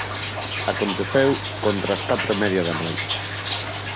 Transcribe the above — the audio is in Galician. Aconteceu contra as catro e media da noite.